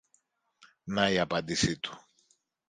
Να η απάντηση του!